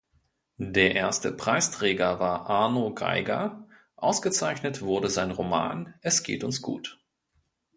Der erste Preisträger war Arno Geiger, ausgezeichnet wurde sein Roman Es geht uns gut.